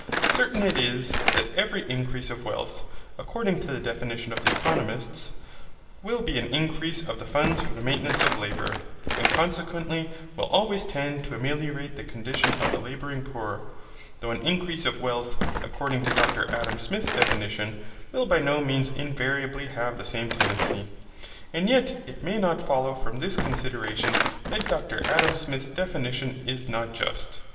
Certain it is that every increase of wealth, according to the definition of the economists, will be an increase of the funds for the maintenance of labour, and consequently will always tend to ameliorate the condition of the labouring poor, though an increase of wealth, according to Dr Adam Smith's definition, will by no means invariably have the same tendency. And yet it may not follow from this consideration that Dr Adam Smith's definition is not just.